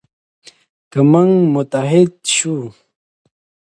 که موږ متحد شو.